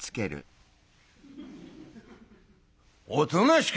「おとなしく」。